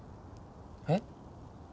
えっ？